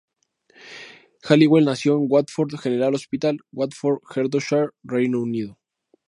Halliwell nació en Watford General Hospital, Watford, Hertfordshire, Reino Unido.